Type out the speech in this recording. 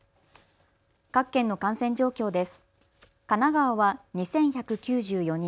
各県の感染状況です。